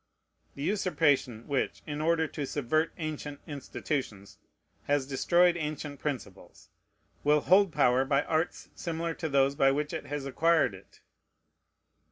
The usurpation, which, in order to subvert ancient institutions, has destroyed ancient principles, will hold power by arts similar to those by which it has acquired it.